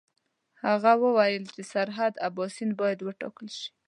هغه وویل چې سرحد اباسین باید وټاکل شي.